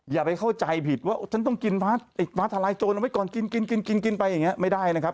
อย่าไปเข้าใจผิดว่าฉันต้องกินวาทารายโจรเอาไว้ก่อนกินไปไม่ได้นะครับ